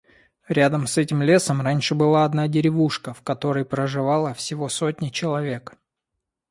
Рядом с этим лесом раньше была одна деревушка, в которой проживала всего сотня человек.